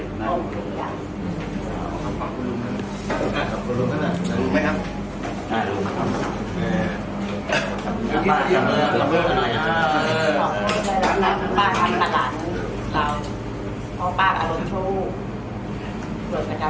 ขออภัยให้ป้าด้วยค่ะ